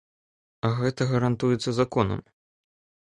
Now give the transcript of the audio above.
А гэта гарантуецца законам.